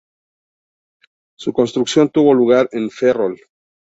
Su construcción tuvo lugar en Ferrol.